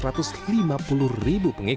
hal itu pun tidak terlalu banyak